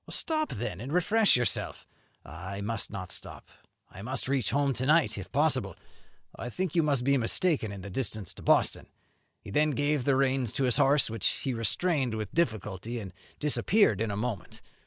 'Stop, then, and refresh yourself.' 'I must not stop, I must reach home to night, if possible, though I think you must be mistaken in the distance to Boston.' He then gave the reins to his horse, which he restrained with difficulty, and disappeared in a moment.